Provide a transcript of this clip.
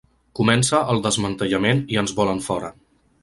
Comença el desmantellament i ens volen fora.